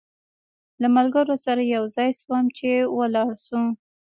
له ملګرو سره یو ځای شوم چې ولاړ شو.